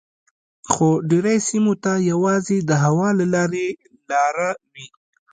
خو ډیری سیمو ته یوازې د هوا له لارې لاره وي